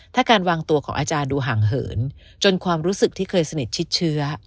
ถ้าการวางตัวของอาจารย์ดูห่างเหินจนความรู้สึกที่เคยสนิทชิดเชื้อ